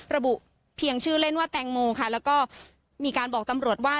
ระบุเพียงชื่อเล่นว่าแตงโมค่ะแล้วก็มีการบอกตำรวจว่า